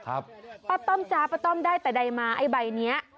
ป้าต้อมจ๊ะป้าต้อมได้แต่ใดมาไอ้ใบเนี้ย